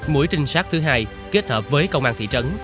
mũi trinh sát thứ hai kết hợp với công an thị trấn